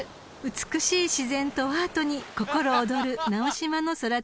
［美しい自然とアートに心躍る直島の空旅です］